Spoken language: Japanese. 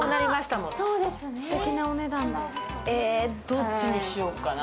どっちにしようかな。